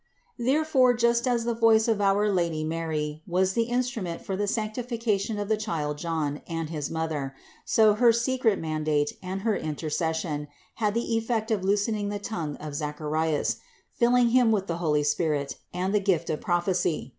292. Therefore, just as the voice of our Lady Mary was the instrument for the sanctification of the child 236 CITY OF GOD John and his mother, so her secret mandate and her inter cession had the effect of loosening the tongue of Zach arias, filling him with the holy Spirit and the gift of prophecy.